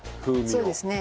そうですね。